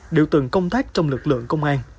điều từng công tác trong lực lượng công an